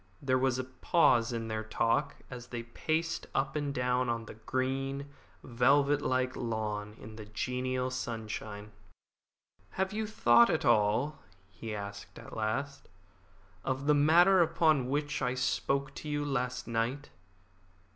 There was a pause in their talk as they paced up and down on the green, velvet like lawn in the genial sunshine. "Have you thought at all," he asked at last, "of the matter upon which I spoke to you last night?"